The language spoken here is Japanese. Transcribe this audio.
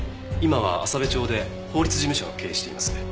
今は朝部町で法律事務所を経営しています。